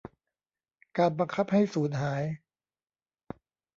การบังคับให้สูญหาย